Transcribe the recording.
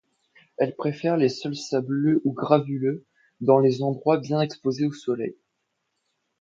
Elle préfère les sols sableux ou graveleux, dans des endroits bien exposés au Soleil.